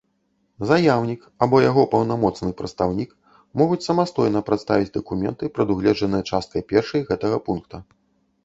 Заяўнiк або яго паўнамоцны прадстаўнiк могуць самастойна прадставiць дакументы, прадугледжаныя часткай першай гэтага пункта.